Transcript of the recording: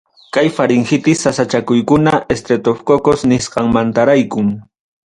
Kay faringitis sasachakuykuna estreptococos nisqanmantaraykum.